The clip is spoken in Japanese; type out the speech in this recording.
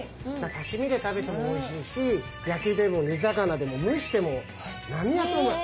さしみで食べてもおいしいし焼きでも煮魚でも蒸しても何やってもうまい。